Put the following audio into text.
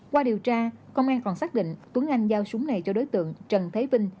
qua điều tra công an còn xác định tuấn anh giao súng này cho đối tượng trần thế vinh